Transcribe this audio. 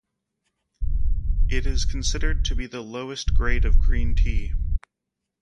It is considered to be the lowest grade of green tea.